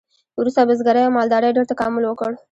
وروسته بزګرۍ او مالدارۍ ډیر تکامل وکړ.